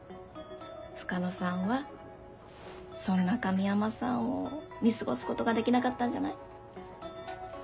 深野さんはそんな神山さんを見過ごすことができなかったんじゃない？